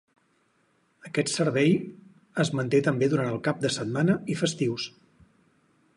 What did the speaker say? Aquest servei es manté també durant cap de setmana i festius.